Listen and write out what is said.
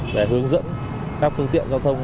để hướng dẫn các phương tiện giao thông